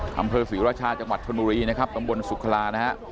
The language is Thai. คำเภอศรีราชาจังหวัดธนุรีตำบลสุขลา